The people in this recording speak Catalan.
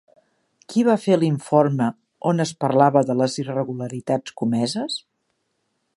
Qui va fer l'informe on es parlava de les irregularitats comeses?